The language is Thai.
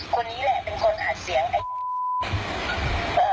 คนนี้แหละเป็นคนอาจเสียงไอ้